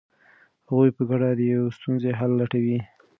هغوی په ګډه د یوې ستونزې حل لټوي.